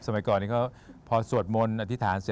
สมัยก่อนนี้ก็พอสวดมนต์อธิษฐานเสร็จ